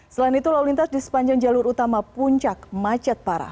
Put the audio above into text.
selain itu lalu lintas di sepanjang jalur utama puncak macet parah